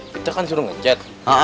kita kan suruh ngecat